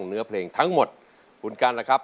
เนื้อเพลงทั้งหมดคุณกันล่ะครับ